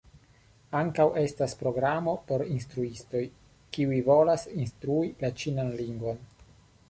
Ankaŭ estas programo por instruistoj, kiuj volas instrui la ĉinan lingvon.